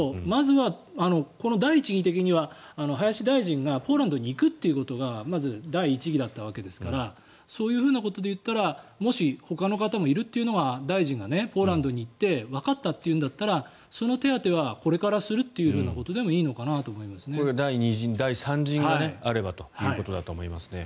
まずはこの第一義的には林大臣がポーランドに行くということが第一義だったわけですからそういうことで言ったらもしほかの人もいると、大臣がポーランドに行ってわかったというんだったらその手当てはこれからするということでも第２陣、第３陣があればということだと思います。